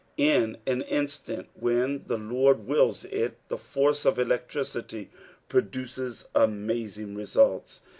In an in«tuit, when the Lord wiHh it, the force of electricitj produces amazing results.